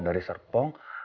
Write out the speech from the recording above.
dari serpong bekasi